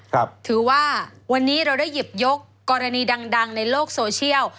ถือว่าวันนี้เราได้หยิบยกกรณีดังดังในโลกโซเชียล